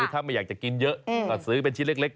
ถ้าไม่อยากจะกินเยอะก็ซื้อเป็นชิ้นเล็ก